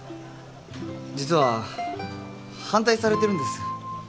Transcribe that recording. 実は反対されてるんです。